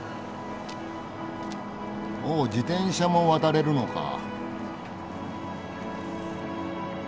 お自転車も渡れるのか。